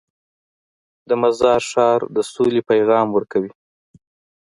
د مزار ښار د سولې پیغام ورکوي.